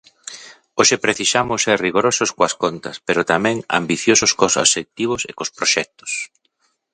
Hoxe precisamos ser rigorosos coas contas, pero tamén ambiciosos cos obxectivos e cos proxectos.